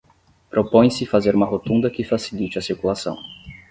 Propõe-se fazer uma rotunda que facilite a circulação.